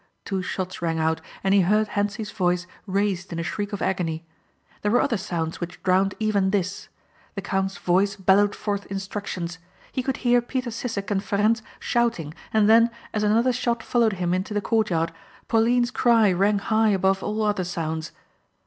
Two shots rang out and he heard Hentzi's voice raised in a shriek of agony. There were other sounds which drowned even this. The count's voice bellowed forth instructions. He could hear Peter Sissek and Ferencz shouting and then, as another shot followed him into the courtyard Pauline's cry rang high above all other sounds.